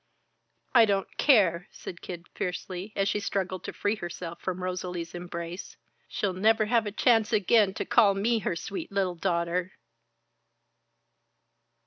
"I don't care!" said Kid, fiercely, as she struggled to free herself from Rosalie's embrace. "She'll never have a chance again to call me her sweet little daughter."